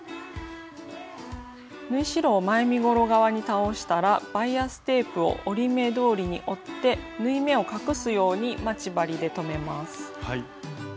縫い代を前身ごろ側に倒したらバイアステープを折り目どおりに折って縫い目を隠すように待ち針で留めます。